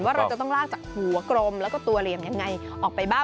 ว่าเราจะต้องลากจากหัวกรมแล้วก็ตัวอะไรอย่างไรออกไปบ้าง